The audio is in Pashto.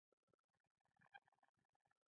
هر څوک چې وفاداري څرګنده کړي.